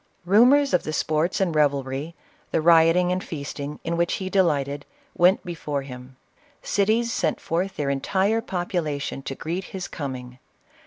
.• Rumors of the sports and revelry, the rioting and feasting, in which he delighted, went before him. Cities sent forth their entire population to greet his coming.